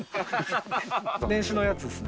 年始のやつですね。